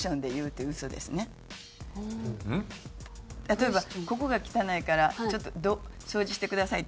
例えば「ここが汚いからちょっと掃除してください」